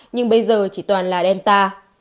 nhưng bây giờ chỉ toàn là delta